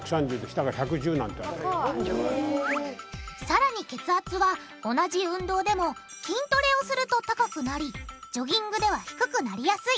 さらに血圧は同じ運動でも筋トレをすると高くなりジョギングでは低くなりやすい。